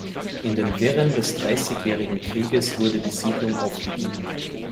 In den Wirren des Dreißigjährigen Krieges wurde die Siedlung aufgegeben.